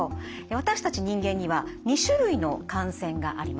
私たち人間には２種類の汗腺があります。